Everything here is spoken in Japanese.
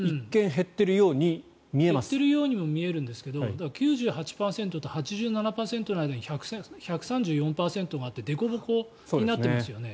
減っているようにも見えるんですが９８％と８７％の間に１３４％があってでこぼこになっていますよね。